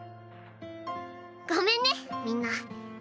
ごめんねみんな。